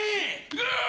うわ！